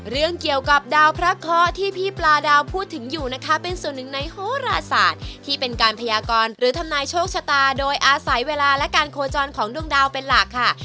เรื่องเกี่ยวกับดาวพระเคาะที่พี่ปลาดาวพูดถึงอยู่นะคะเป็นส่วนหนึ่งในโฮราศาสตร์ที่เป็นการพยากรหรือทำนายโชคชะตาโดยอาศัยเวลาและการโคจรของดวงดาวเป็นหลักค่ะ